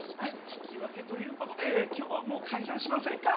引き分けということで今日はもう解散しませんか？